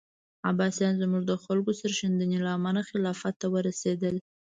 عباسیان زموږ د خلکو سرښندنو له امله خلافت ته ورسېدل.